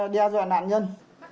đe dọa nạn nhân